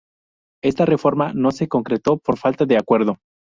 Esta reforma no se concretó por falta de acuerdo.